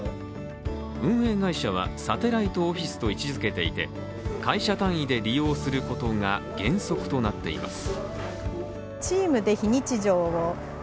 運営会社はサテライトオフィスと位置づけていて会社単位で利用することが原則となっています